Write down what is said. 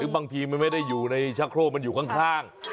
บางทีมันไม่ได้อยู่ในชะโครกมันอยู่ข้าง